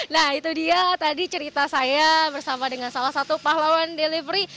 nah itu dia tadi cerita saya bersama dengan salah satu pahlawan delivery